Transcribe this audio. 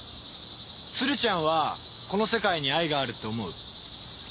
鶴ちゃんはこの世界に愛があるって思う？